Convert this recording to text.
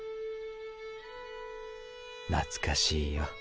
懐かしいよ。